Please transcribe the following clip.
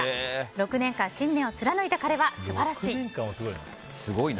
６年間、信念を貫いた彼は素晴らしい。